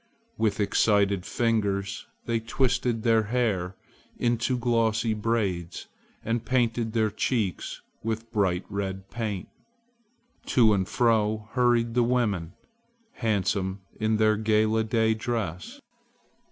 With excited fingers they twisted their hair into glossy braids and painted their cheeks with bright red paint. To and fro hurried the women, handsome in their gala day dress.